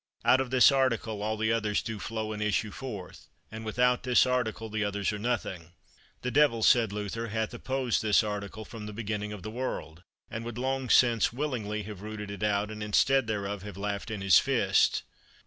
Out of this article all the others do flow and issue forth, and without this article the others are nothing. The devil, said Luther, hath opposed this article from the beginning of the world, and would long since willingly have rooted it out, and instead thereof have laughed in his fist.